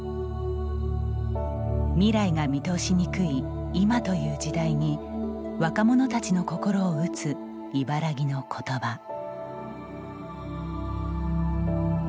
未来が見通しにくい今という時代に若者たちの心を打つ茨木の言葉。